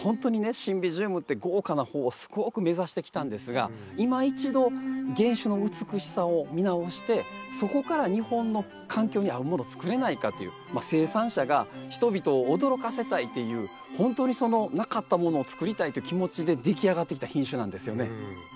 シンビジウムって豪華な方をすごく目指してきたんですがいま一度原種の美しさを見直してそこから日本の環境に合うもの作れないかという生産者が人々を驚かせたいというほんとになかったものを作りたいという気持ちででき上がってきた品種なんですよね。